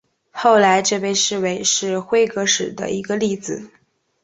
后来这被视为是辉格史的一个例子。